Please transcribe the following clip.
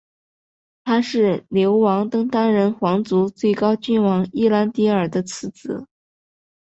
他是流亡登丹人皇族最高君王伊兰迪尔的次子。